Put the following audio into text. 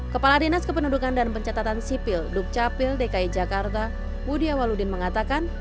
kepala dinas kependudukan dan pencatatan sipil dukcapil dki jakarta budi awaludin mengatakan